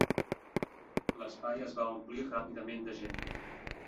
L'espai es va omplir ràpidament de gent.